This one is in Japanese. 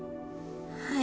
はい。